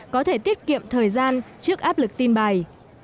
có thể tiết kiệm thời gian trước áp lực tin bài